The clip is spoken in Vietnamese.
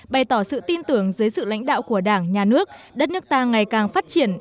bày tỏ sự tin tưởng dưới sự lãnh đạo của đảng nhà nước đất nước ta ngày càng phát triển